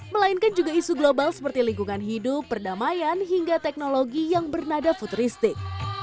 melainkan juga isu global seperti lingkungan hidup perdamaian hingga teknologi yang bernada futuristik